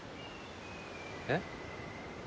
えっ？